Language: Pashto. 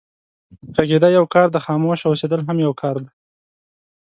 غږېدا يو کار دی، خاموشه اوسېدل هم يو کار دی.